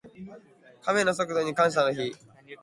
カメの速度に感謝の日。